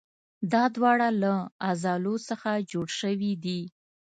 دا دواړه له عضلو څخه جوړ شوي دي.